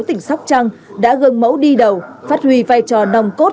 tỉnh sóc trăng đã gần mẫu đi đầu phát huy vai trò nồng cốt